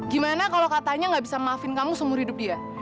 gimana kalau katanya gak bisa maafin kamu seumur hidup dia